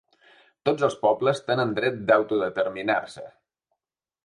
Tots els pobles tenen dret d’autodeterminar-se.